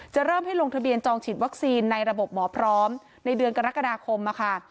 เริ่มให้ลงทะเบียนจองฉีดวัคซีนในระบบหมอพร้อมในเดือนกรกฎาคม